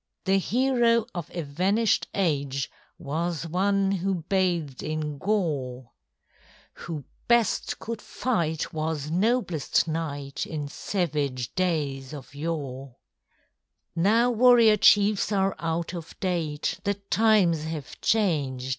The hero of a vanished age Was one who bathed in gore; Who best could fight was noblest knight In savage days of yore; Now warrior chiefs are out of date, The times have changed.